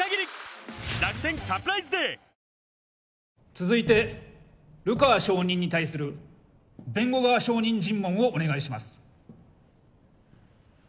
続いて流川証人に対する弁護側証人尋問をお願いします。